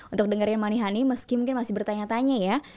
untuk dengerin manihani meski mungkin masih bertanya tanya ya